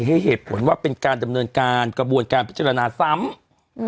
ให้เหตุผลว่าเป็นการดำเนินการกระบวนการพิจารณาซ้ำ